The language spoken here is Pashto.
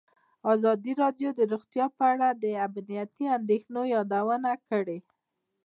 ازادي راډیو د روغتیا په اړه د امنیتي اندېښنو یادونه کړې.